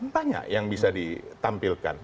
banyak yang bisa ditampilkan